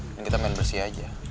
dan kita main bersih aja